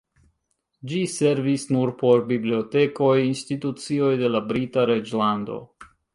Ĝi servis nur por bibliotekoj, institucioj de la Brita Reĝlando.